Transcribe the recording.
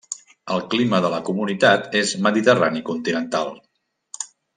El clima de la comunitat és mediterrani continental.